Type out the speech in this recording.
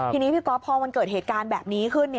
ทีนี้พี่ก๊อฟพอมันเกิดเหตุการณ์แบบนี้ขึ้น